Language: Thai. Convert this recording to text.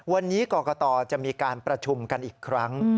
วันนี้กรกตจะมีการประชุมกันอีกครั้ง